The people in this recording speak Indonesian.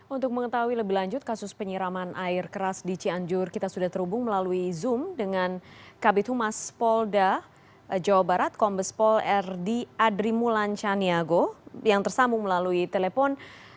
untuk mengetahui lebih lanjut kasus penyiraman air keras di cianjur kita sudah terhubung melalui zoom dengan kabit humas polda jawa barat kombespol rdi adrimulan caniago yang tersambung melalui telepon